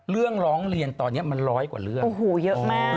ร้องเรียนตอนนี้มันร้อยกว่าเรื่องโอ้โหเยอะมาก